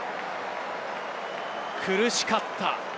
苦しかった。